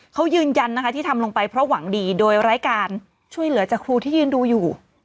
เขายืนยันนะคะที่ทำลงไปเพราะหวังดีโดยรายการช่วยเหลือจากครูที่ยืนดูอยู่